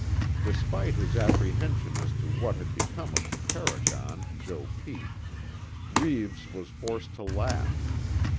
Despite his apprehension as to what had become of the paragon, Joe Pete, Reeves was forced to laugh.